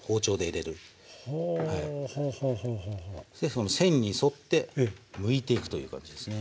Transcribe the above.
その線に沿ってむいていくという感じですね。